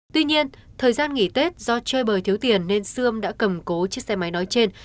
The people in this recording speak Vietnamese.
tuy nhiên thời gian nghỉ tết do chơi bời thiếu tiền nên sươm đã cầm cố chiếc xe máy nói trên